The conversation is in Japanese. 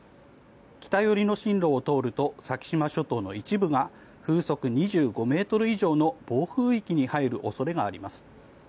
北寄りの進路を通ると先島諸島の一部が風速２５ｍ以上の暴風域に入る恐れがあります。